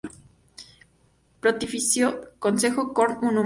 Pontificio Consejo Cor Unum